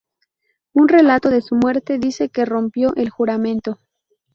Un relato de su muerte dice que rompió el juramento.